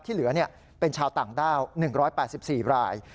ที่เหลือเป็นชาวต่างด้าว๑๘๔ราย